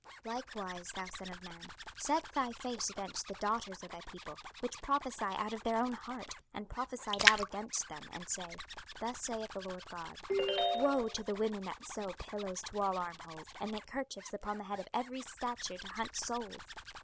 26:013:017 Likewise, thou son of man, set thy face against the daughters of thy people, which prophesy out of their own heart; and prophesy thou against them, 26:013:018 And say, Thus saith the Lord GOD; Woe to the women that sew pillows to all armholes, and make kerchiefs upon the head of every stature to hunt souls!